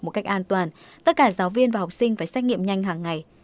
một cách an toàn tất cả giáo viên và học sinh phải xét nghiệm nhanh hàng ngày